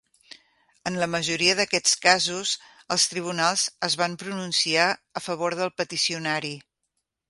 En la majoria d'aquests casos, els tribunals es van pronunciar a favor del peticionari.